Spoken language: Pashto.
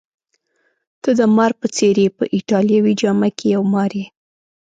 ته د مار په څېر يې، په ایټالوي جامه کي یو مار یې.